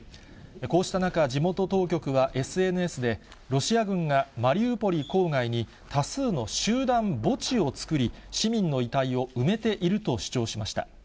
こうした中、地元当局はＳＮＳで、ロシア軍がマリウポリ郊外に、多数の集団墓地を作り、市民の遺体を埋めていると主張しました。